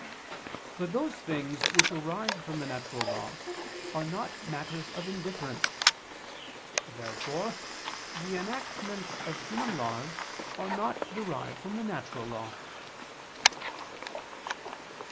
But those things which arise from the natural law are not matters of indifference. Therefore the enactments of human laws are not derived from the natural law.